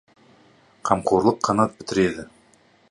Қамқорлық қанат бітіреді.